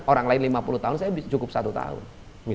orang lain lima puluh tahun saya cukup satu tahun